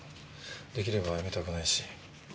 できれば辞めたくないし。